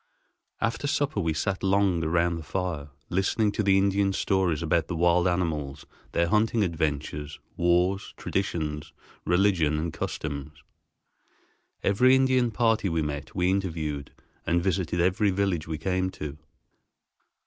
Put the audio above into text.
After supper we sat long around the fire, listening to the Indian's stories about the wild animals, their hunting adventures, wars, traditions, religion, and customs. Every Indian party we met we interviewed, and visited every village we came to.